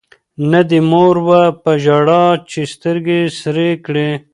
نه دي مور وه په ژړا چي سترګي سرې کړي